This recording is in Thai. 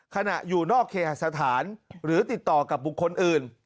ขณะอยู่นอกเคหสถานหรือติดต่อกับบุคคลอื่น